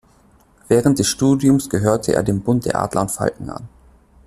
Während des Studiums gehörte er dem Bund der Adler und Falken an.